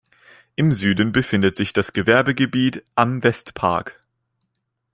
Im Süden befindet sich das Gewerbegebiet "Am Westpark".